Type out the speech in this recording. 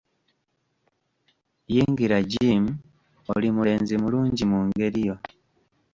Yingira Jim, oli mulenzi mulungi mu ngeri yo.